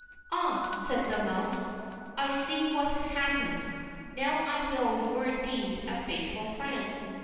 "Ah," said the mouse, "I see what has happened; now I know you are indeed a faithful friend.